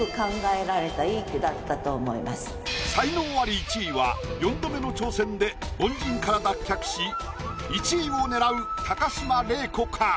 才能アリ１位は４度目の挑戦で凡人から脱却し１位を狙う高島礼子か？